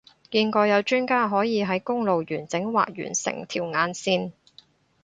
見過有專家可以喺公路完整畫完成條眼線